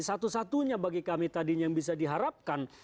satu satunya bagi kami tadinya yang bisa diharapkan